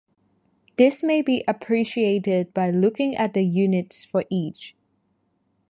This may be appreciated by looking at the units for each.